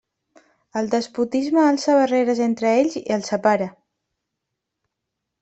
El despotisme alça barreres entre ells i els separa.